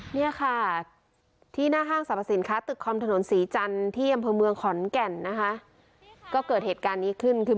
เนี่ยค่ะที่หน้าห้างสรรพสินค้าตึกคอมถนนศรีจันทร์ที่อำเภอเมืองขอนแก่นนะคะก็เกิดเหตุการณ์นี้ขึ้นคือ